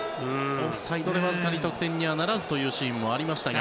オフサイドでわずかに得点にはならずというシーンがありましたが。